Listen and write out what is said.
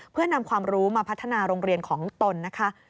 เพื่อนำความรู้มาพัฒนาโรงเรียนของตนนะคะ